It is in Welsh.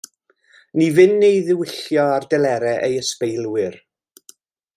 Ni fynn ei ddiwyllio ar delerau ei ysbeilwyr.